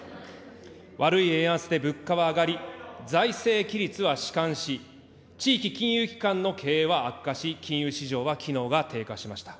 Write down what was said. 悪い円安で物価は上がり、財政規律はしかんし、地域金融機関の経営は悪化し、金融市場は機能が低下しました。